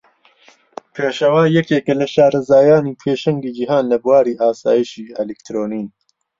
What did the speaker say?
پێشەوا یەکێکە لە شارەزایانی پێشەنگی جیهان لە بواری ئاسایشی ئەلیکترۆنی.